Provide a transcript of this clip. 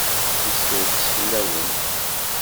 Neskerkes fell-awen.